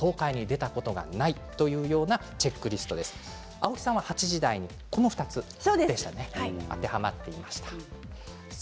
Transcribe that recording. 青木さんは８時台は２つ当てはまっていましたね。